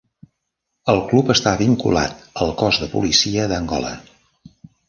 El club està vinculat al cos de policia d'Angola.